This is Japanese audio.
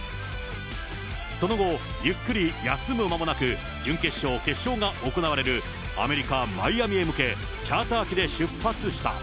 その後、ゆっくり休むまもなく、準決勝、決勝が行われるアメリカ・マイアミへ向け、チャーター機で出発した。